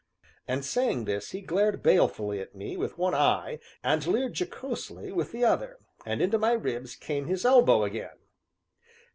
And, saying this, he glared balefully at me with one eye and leered jocosely with the other, and into my ribs came his elbow again.